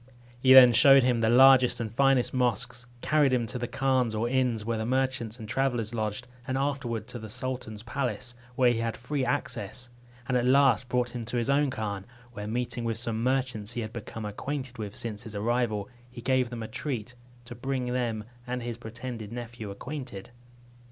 He then showed him the largest and finest mosques, carried him to the khans or inns where the merchants and travellers lodged, and afterward to the sultan's palace, where he had free access; and at last brought him to his own khan, where, meeting with some merchants he had become acquainted with since his arrival, he gave them a treat, to bring them and his pretended nephew acquainted.